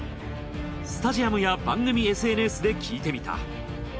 スタジアムや番組ＳＮＳで聞いてみた。